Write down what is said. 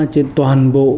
trên toàn bộ